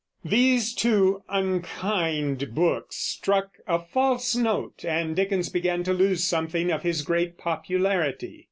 These two unkind books struck a false note, and Dickens began to lose something of his great popularity.